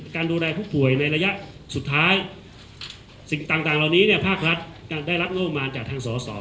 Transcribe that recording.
การดูแลผู้ผ่วยในระยะสุดท้ายสิ่งต่างอันนี้ภาครัฐได้รับโงมานจากทางสอสส